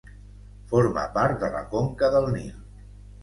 Forma part de la conca del Nil.